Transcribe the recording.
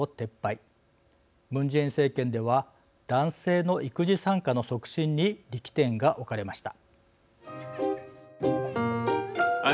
ムン・ジェイン政権では男性の育児参加の促進に力点が置かれました。